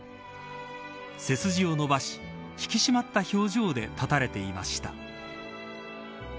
背筋を伸ばし引き締まった表情で立たれていました。